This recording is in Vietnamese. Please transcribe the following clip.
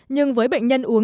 nhưng với bệnh nhân uống